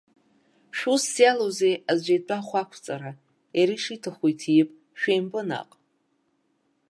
Шәусс иалоузеи аӡәы итәы ахә акәҵара, иара ишиҭаху иҭип, шәеимпы наҟ!